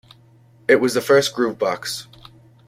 It was the first groovebox.